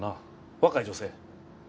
若い女性？